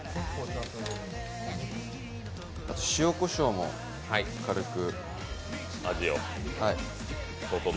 塩こしょうも軽く。